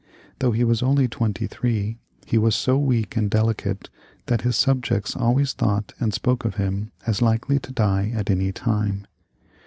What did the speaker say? Though he was only twenty three, he was so weak and delicate that his subjects always thought and spoke of HiTn as likely to die at any time.